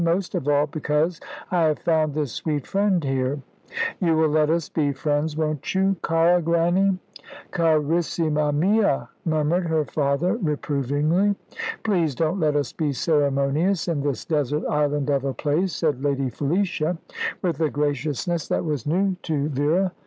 "Most of all because I have found this sweet friend here. You will let us be friends, won't you, cara Grannie?" "Carissima mia!" murmured her father reprovingly. "Please don't let us be ceremonious in this desert island of a place," said Lady Felicia, with a graciousness that was new to Vera.